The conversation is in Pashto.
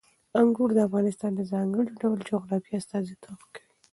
انګور د افغانستان د ځانګړي ډول جغرافیه استازیتوب کوي.